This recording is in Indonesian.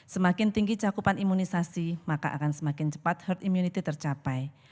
semakin tinggi cakupan imunisasi maka akan semakin cepat herd immunity tercapai